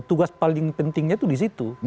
tugas paling pentingnya itu di situ